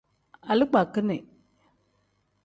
Alikpakin.